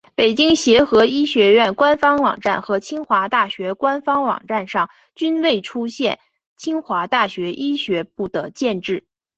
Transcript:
北京协和医学院官方网站和清华大学官方网站上均未出现清华大学医学部的建制。